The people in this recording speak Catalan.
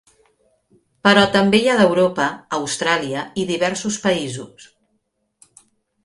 Però també hi ha d'Europa, Austràlia i diversos països.